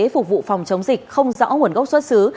phục vụ phòng chống dịch không rõ nguồn gốc xuất xứ